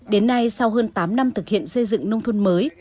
đến nay sau hơn tám năm thực hiện xây dựng nông thôn mới